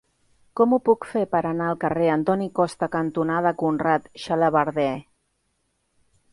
Com ho puc fer per anar al carrer Antoni Costa cantonada Conrad Xalabarder?